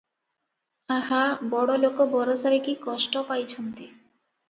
ଆହା, ବଡ଼ଲୋକ ବରଷାରେ କି କଷ୍ଟ ପାଇଚନ୍ତି ।